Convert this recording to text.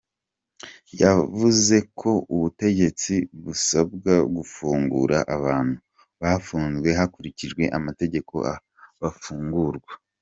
Yavuze ko ubutegetsi busabwa gufungura abantu “bafunzwe hakurikijwe amategeko”, bafungurwa.